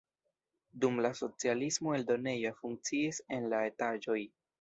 Dum la socialismo eldonejo funkciis en la etaĝoj.